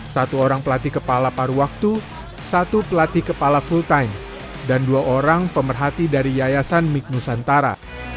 satu orang pelatih kepala paru waktu satu pelatih kepala full time dan dua orang pemerhati dari yayasan mig nusantara